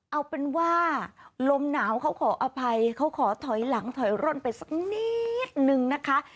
เอาเป็นว่าลมหนาวเขาขออภัยเขาขอถอยหลังถอยร่นไปสักนิดนึงนะคะ